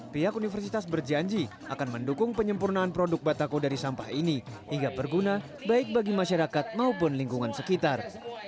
pihak universitas berjanji akan mendukung penyempurnaan produk batako dari sampah ini hingga berguna baik bagi masyarakat maupun lingkungan sekitar